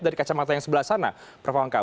dari kacamata yang sebelah sana prof hamka